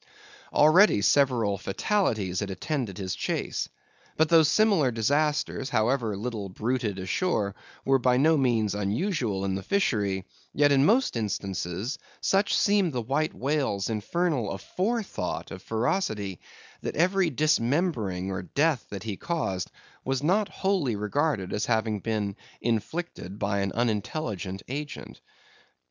Already several fatalities had attended his chase. But though similar disasters, however little bruited ashore, were by no means unusual in the fishery; yet, in most instances, such seemed the White Whale's infernal aforethought of ferocity, that every dismembering or death that he caused, was not wholly regarded as having been inflicted by an unintelligent agent.